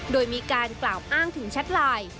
โดยมีการกล่าวอ้างถึงแชทไลน์